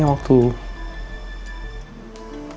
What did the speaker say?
ini kan huntingnya